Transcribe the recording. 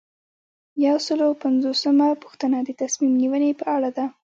یو سل او پنځوسمه پوښتنه د تصمیم نیونې په اړه ده.